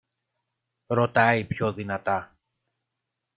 Ρωτάει πιο δυνατά